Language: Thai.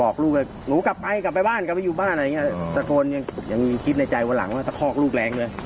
กลับไปบ้านกลับไปอยู่บ้านตะโกนยังมีคลิปในใจวันหลังว่าตะพอกลูกแรงเลย